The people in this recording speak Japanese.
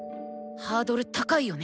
ハードル高いよね。